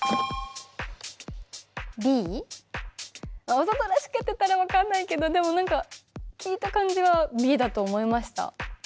わざとらしくやってたら分かんないけどでも何か聞いた感じはＢだと思いました。